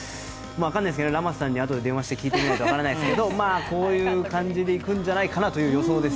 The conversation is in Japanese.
ラマスさんにあとで電話して聞いてみないと分からないですけどこういう感じでいくんじゃないかなという予想です。